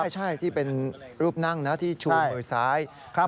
ที่เป็นรูปนั่งนะที่ชูมือซ้าย